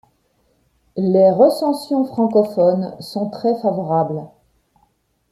Les recensions francophones sont très favorables.